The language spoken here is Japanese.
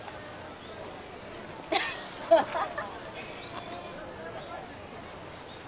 ハハハッ。